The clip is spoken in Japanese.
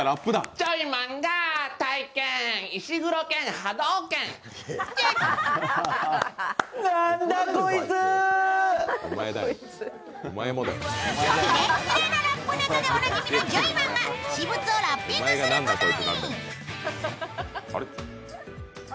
キレッキレのラップネタでおなじみのジョイマンが私物をラッピングすることに。